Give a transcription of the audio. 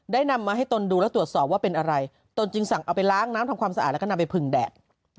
นำมาให้ตนดูแล้วตรวจสอบว่าเป็นอะไรตนจึงสั่งเอาไปล้างน้ำทำความสะอาดแล้วก็นำไปพึงแดด